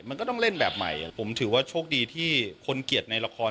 มันก็ต้องเล่นแบบใหม่ผมถือว่าโชคดีที่คนเกลียดในละคร